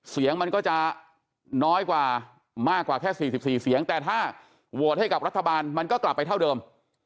เสียงมันก็จะน้อยกว่ามากกว่าแค่๔๔เสียงแต่ถ้าโหวตให้กับรัฐบาลมันก็กลับไปเท่าเดิม